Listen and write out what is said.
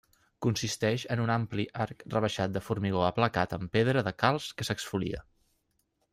Consisteix en un ampli arc rebaixat de formigó aplacat amb pedra de calç que s'exfolia.